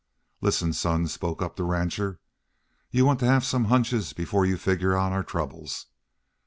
"Listen, son," spoke up the rancher. "You want to have some hunches before you figure on our troubles.